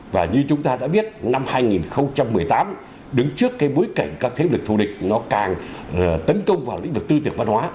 và như chúng ta đã biết năm hai nghìn một mươi tám đứng trước cái bối cảnh các thế lực thù địch nó càng tấn công vào lĩnh vực tư tưởng văn hóa